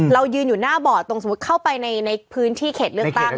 ยืนอยู่หน้าบ่อตรงสมมุติเข้าไปในพื้นที่เขตเลือกตั้ง